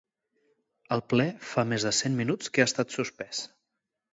El ple fa més de cent minuts que ha estat suspès.